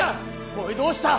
おいどうした？